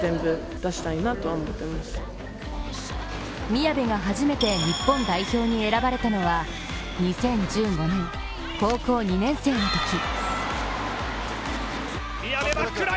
宮部が初めて日本代表に選ばれたのは２０１５年、高校２年生のとき。